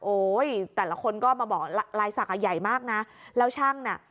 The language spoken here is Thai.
แต่ละคนก็มาบอกลายศักดิ์อ่ะใหญ่มากนะแล้วช่างน่ะ